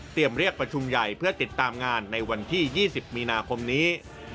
เรียกประชุมใหญ่เพื่อติดตามงานในวันที่๒๐มีนาคมนี้